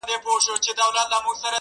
كله _كله ديدنونه زما بــدن خــوري _